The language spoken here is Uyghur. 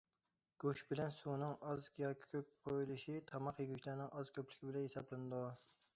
گۆش بىلەن سۇنىڭ ئاز ياكى كۆپ قۇيۇلۇشى تاماق يېگۈچىلەرنىڭ ئاز كۆپلۈكى بىلەن ھېسابلىنىدۇ.